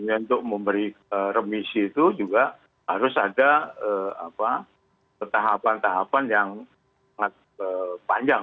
untuk memberi remisi itu juga harus ada tahapan tahapan yang sangat panjang